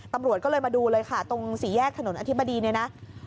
ตำรวจก็เลยมาดูเลยค่ะตรงสี่แยกถนนอธิบดีเนี่ยนะ